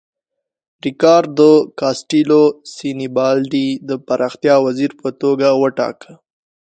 ریکاردو کاسټیلو سینیبالډي د پراختیا وزیر په توګه وټاکه.